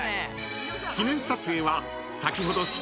［記念撮影は］